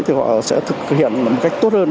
thì họ sẽ thực hiện một cách tốt hơn